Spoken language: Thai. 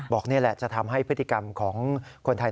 นี่แหละจะทำให้พฤติกรรมของคนไทย